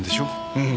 うん。